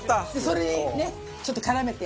それにねちょっと絡めて。